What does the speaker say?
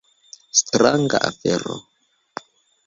Stranga afero.